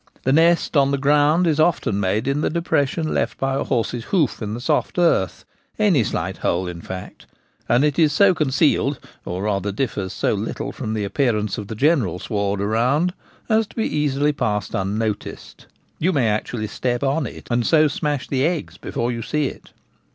The nest on the ground is often made in the depression left by a horse's hoof in the soft earth — any slight hole, in fact ; and it is so concealed, or rather differs so little from the appearance of the general sward around, as to be easily passed unnoticed. You may actually step on it, and so smash the eggs, before you see it.